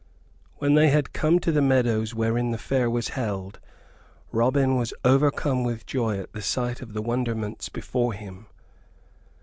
When they had come to the meadows wherein the Fair was held, Robin was overcome with joy at the sight of the wonderments before him.